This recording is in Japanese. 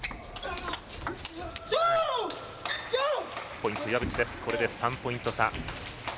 ポイント、岩渕これで３ポイント差。